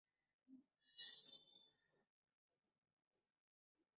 তার অর্থ হচ্ছে সপ্তাহের একদিন অর্থাৎ শনিবারকে ইবাদতের জন্যে নির্দিষ্ট রাখা।